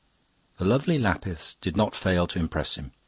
"The lovely Lapiths did not fail to impress him.